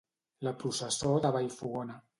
La processó de Vallfogona.